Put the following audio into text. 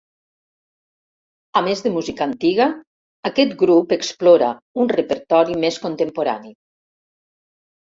A més de música antiga, aquest grup explora un repertori més contemporani.